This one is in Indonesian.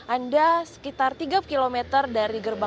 anda sekitar tiga km dari gerbang tol ini bisa menggunakan